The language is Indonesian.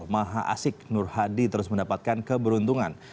maha asik nur hadi terus mendapatkan keberuntungan